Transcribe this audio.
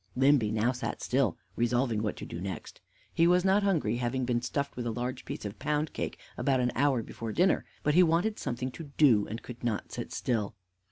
Limby now sat still, resolving what to do next. He was not hungry, having been stuffed with a large piece of pound cake about an hour before dinner; but he wanted something to do, and could not sit still.